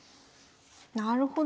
なるほど。